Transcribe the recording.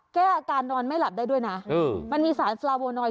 แก้อาการนอนไม่หลับได้ด้วยนะมันมีสารปลาโวนอย